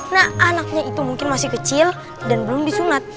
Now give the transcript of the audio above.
nah anaknya itu mungkin masih kecil dan belum disunat